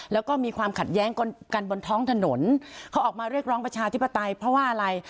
แล้วก็มีความขัดแย้งกันบนท้องถนนเขาออกมาเรียกร้องประชาธิปไตยเพราะว่าอะไร